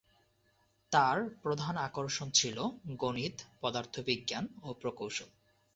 তার প্রধান আকর্ষণ ছিলো গণিত, পদার্থ বিজ্ঞান, ও প্রকৌশল।